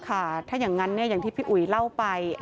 ค่ะถ้าอย่างนั้นอย่างที่พี่อุ๋ยเล่าไป